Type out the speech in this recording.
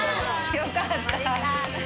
よかった！